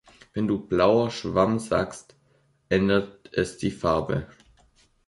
Wenn du „blauer Schwamm“ sagst, ändert es die Farbe.